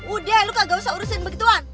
udah lu kagak usah urusin begituan